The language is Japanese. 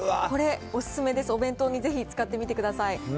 これ、お勧めです、お弁当にぜひ、使ってみてください。